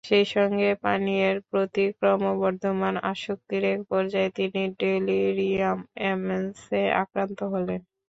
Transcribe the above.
সেই সঙ্গে পানীয়ের প্রতি ক্রমবর্ধমান আসক্তির একপর্যায়ে তিনি ডেলিরিয়াম ত্রেমেন্সে আক্রান্ত হলেন।